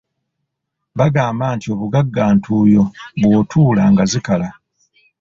Bagamba nti obugagga ntuuyo bw'otuula nga zikalira.